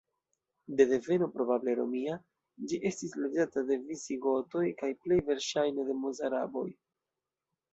De deveno probable romia, ĝi estis loĝata de visigotoj kaj plej verŝajne de mozaraboj.